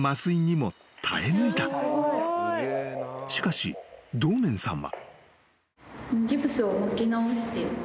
［しかし堂面さんは］